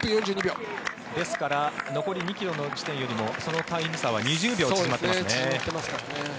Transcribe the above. ですから残り２ｋｍの地点よりもそのタイム差は２０秒縮まってますね。